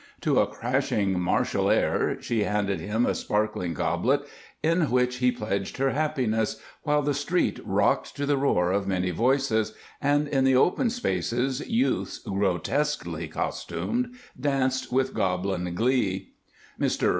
To a crashing martial air, she handed him a sparkling goblet in which he pledged her happiness, while the street rocked to the roar of many voices, and in the open spaces youths, grotesquely costumed, danced with goblin glee. Mr.